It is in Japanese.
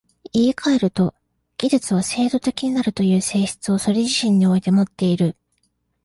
言い換えると、技術は制度的になるという性質をそれ自身においてもっている。